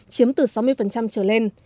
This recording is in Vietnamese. chiếm từ sáu mươi trở lên